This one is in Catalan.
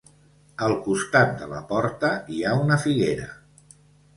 Al costat de la porta hi ha una figuera.